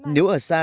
nếu ở xa